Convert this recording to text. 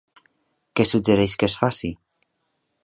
Què suggereix que es faci?